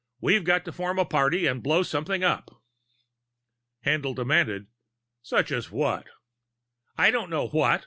We've got to form a party and blow something up." Haendl demanded: "Such as what?" "I don't know what.